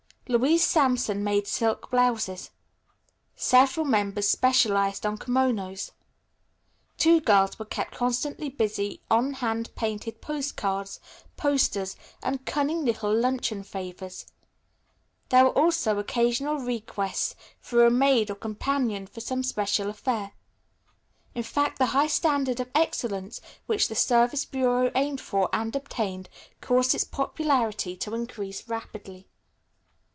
Louise Sampson made silk blouses. Several members specialized on kimonos. Two girls were kept constantly busy on hand painted post cards, posters and cunning little luncheon favors. There were also occasional requests for a maid or companion for some special affair. In fact the high standard of excellence which the Service Bureau aimed for, and obtained, caused its popularity to increase rapidly.